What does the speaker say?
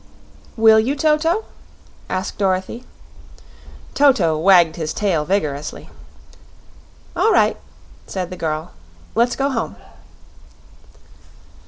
"Will you, Toto?" asked Dorothy. Toto wagged his tail vigorously. "All right," said the girl; "let's go home."